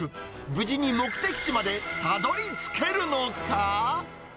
無事に目的地までたどりつけるのか。